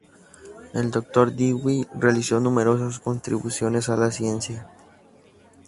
El Dr. Dewey realizó numerosas contribuciones a la ciencia.